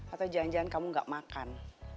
atau jangan jangan kamu gak makan